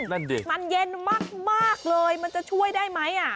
นั่นดิมันเย็นมากเลยมันจะช่วยได้ไหม